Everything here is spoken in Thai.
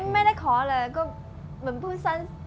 ไม่ได้ขออะไรก็เหมือนพูดสั้น